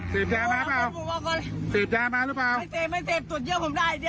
สีบยามาหรือเปล่า